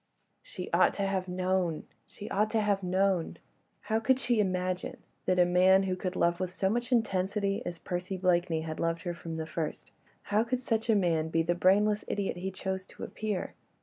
She ought to have known! she ought to have known! How could she imagine that a man who could love with so much intensity as Percy Blakeney had loved her from the first—how could such a man be the brainless idiot he chose to appear?